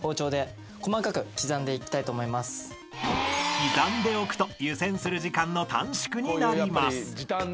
［刻んでおくと湯煎する時間の短縮になります］